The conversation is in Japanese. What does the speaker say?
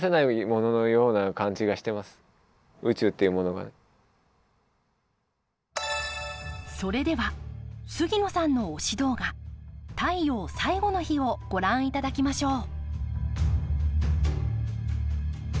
やっぱり何かそれでは杉野さんの推し動画「太陽最後の日」をご覧いただきましょう。